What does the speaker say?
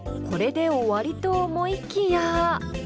これで終わりと思いきや。